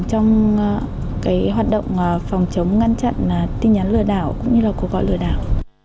trong hoạt động phòng chống ngăn chặn tin nhắn lừa đảo cũng như là cuộc gọi lừa đảo